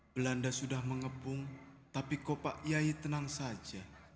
belanda sudah mengepung tapi kok pak kiai tenang saja